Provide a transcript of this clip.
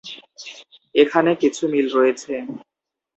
এখানে কিছু মিল রয়েছে।